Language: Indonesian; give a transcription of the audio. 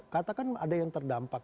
katakan ada yang terdampak